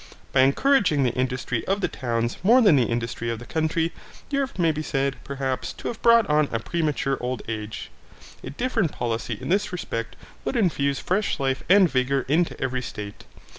By encouraging the industry of the towns more than the industry of the country, Europe may be said, perhaps, to have brought on a premature old age. A different policy in this respect would infuse fresh life and vigour into every state.